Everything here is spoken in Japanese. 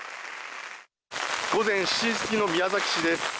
午前７時過ぎの宮崎市です。